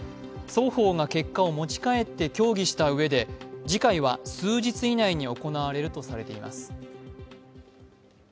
双方が結果を持ち帰って協議したうえで次回は数日以内に行われるとされています。